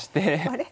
あれ？